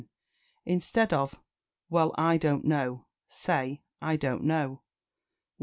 Instead of "Well, I don't know," say "I don't know." 158.